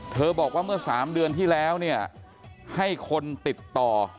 เธอบอกว่าเมื่อ๓เดือนที่แล้วให้คนติดต่อ